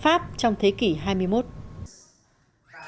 pháp là một trong những nước đầu tiên được gọi là văn hóa pháp